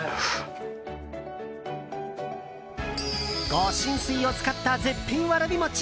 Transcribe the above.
御神水を使った絶品わらび餅。